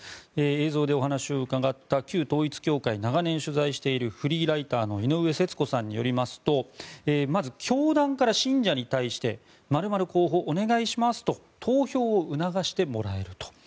映像でお話を伺った旧統一教会を長年取材しているフリーライターのいのうえせつこさんによりますとまず、教団から信者に対して○○候補、お願いしますと投票を促してもらえると。